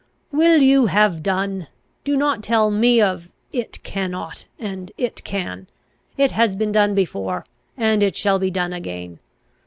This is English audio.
"Will you have done? Do not tell me of It cannot, and It can. It has been done before, and it shall be done again.